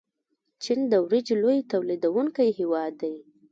چین د وریجو لوی تولیدونکی هیواد دی.